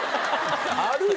あるよ。